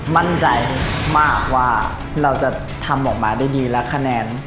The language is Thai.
มั่นใจมากว่าเราจะทำออกมาได้ดีและคะแนน